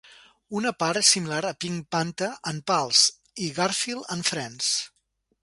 Una part és similar a "Pink Panther and Pals" i "Garfield and Friends".